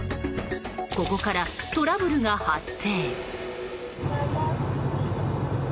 ここから、トラブルが発生！